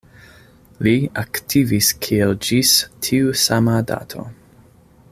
Li aktivis kiel ĝis tiu sama dato.